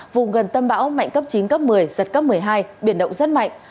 vùng gần tâm bão mạnh cấp chín cấp một mươi giật cấp một mươi hai biển động rất mạnh